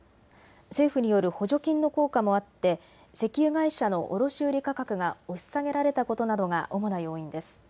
政府による補助金の効果もあって石油会社の卸売価格が押し下げられたことなどが主な要因です。